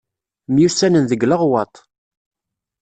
Myussanen deg Leɣwaṭ.